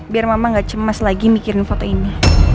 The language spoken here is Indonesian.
biar mama gak cemas lagi mikirin foto ini